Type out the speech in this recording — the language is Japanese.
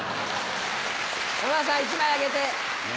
山田さん１枚あげて。